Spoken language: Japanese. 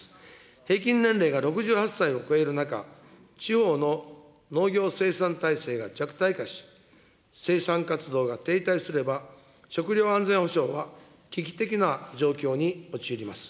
平均年齢が６８歳を超える中、地方の農業生産体制が弱体化し、生産活動が停滞すれば、食料安全保障は危機的な状況に陥ります。